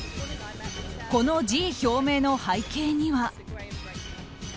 この辞意表明の背景には。